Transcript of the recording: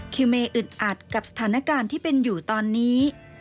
เมย์อึดอัดกับสถานการณ์ที่เป็นอยู่ตอนนี้